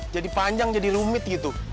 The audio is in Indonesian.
jadi panjang jadi rumit gitu